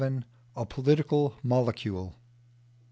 VII. A POLITICAL MOLECULE.